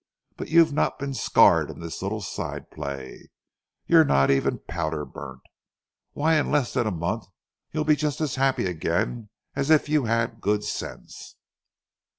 But you've not been scarred in this little side play. You're not even powder burnt. Why, in less than a month you'll be just as happy again as if you had good sense."